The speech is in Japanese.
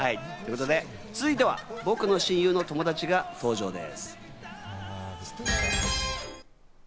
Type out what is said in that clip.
続いて僕の親友の友達が登場です。